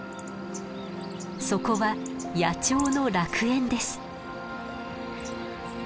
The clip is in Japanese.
そこは野鳥の楽園です。